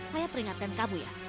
saya peringatkan kamu